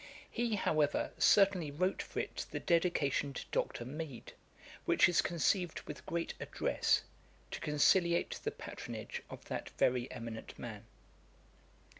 He, however, certainly wrote for it the Dedication to Dr. Mead,[dagger] which is conceived with great address, to conciliate the patronage of that very eminent man.